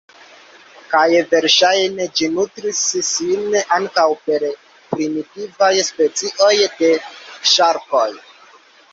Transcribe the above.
Kaj verŝajne ĝi nutris sin ankaŭ per primitivaj specioj de ŝarkoj.